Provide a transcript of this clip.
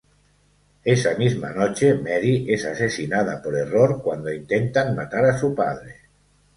Esa misma noche, Mary es asesinada por error cuando intentan matar a su padre.